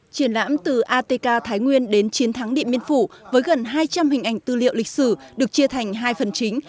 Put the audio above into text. triển lãm từ atk thái nguyên đến chiến thắng điện biên phủ với gần hai trăm linh hình ảnh tư liệu lịch sử được chia thành hai phần chính